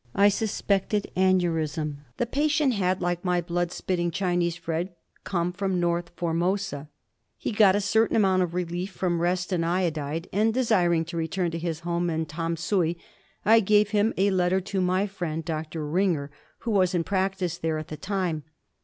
I suspected aneurism. The patient had, like my blood spitting Chinese friend, come from North Formosa. He got a certain amount of relief from rest and iodide, and desir ing to return to his home, in Tamsui, I gave him a letter to my friend Dr. Ringer, who was in practice there at the time.